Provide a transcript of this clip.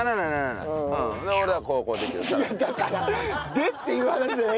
で？っていう話だよね。